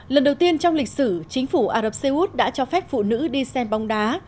lần đầu tiên trong lịch sử chính phủ ả rập xê út đã cho phép phụ nữ đi xem bóng đá